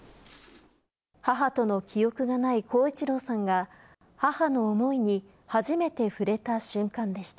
母との記憶がない耕一郎さんが、母の思いに初めて触れた瞬間でした。